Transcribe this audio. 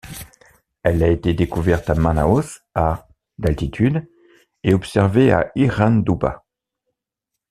Elle a été découverte à Manaus à d'altitude et observée à Iranduba.